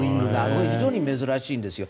非常に珍しいんですよ。